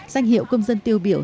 danh hiệu công dân tiêu biểu